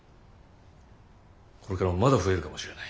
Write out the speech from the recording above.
これからもまだ増えるかもしれない。